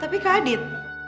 tapi kak adit